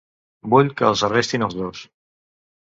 Vull que els arrestin als dos.